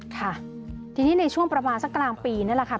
ค่ะทีนี้ในช่วงประมาณสักกลางปีนี่แหละค่ะ